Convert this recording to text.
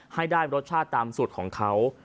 ให้ได้รสชาติตามสูตรของเขา